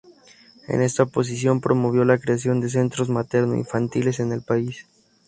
En esta posición promovió la creación de centros materno infantiles en el país.